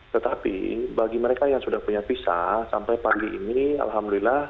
tetapi bagi mereka yang sudah punya visa sampai pagi ini alhamdulillah